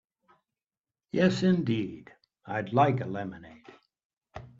Yes indeed, I'd like a lemonade.